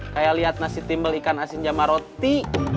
kayak lihat nasi timbal ikan asin jamaroti